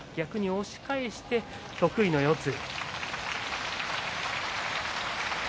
押し返して得意の四つ。